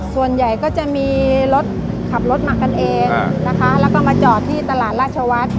ส่วนใหญ่ก็จะมีรถขับรถมากันเองนะคะแล้วก็มาจอดที่ตลาดราชวัฒน์